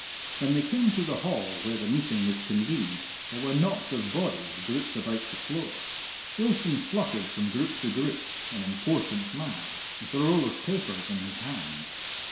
When they came to the hall where the meeting was convened, there were knots of bodies grouped about the floor. Wilson fluttered from group to group, an important man, with a roll of papers in his hand.